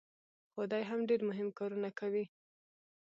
خو دی هم ډېر مهم کارونه کوي.